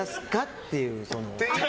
っていう。